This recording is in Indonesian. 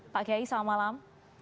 pak kiai selamat malam